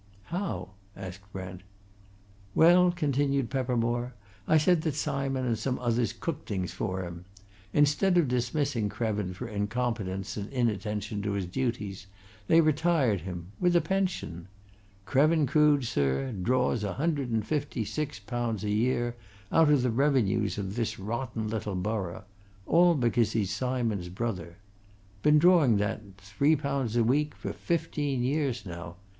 "How?" asked Brent. "Well," continued Peppermore, "I said that Simon and some others cooked things for him. Instead of dismissing Krevin for incompetence and inattention to his duties, they retired him with a pension. Krevin Crood, sir, draws a hundred and fifty six pounds a year out of the revenues of this rotten little borough all because he's Simon's brother. Been drawing that three pounds a week for fifteen years now.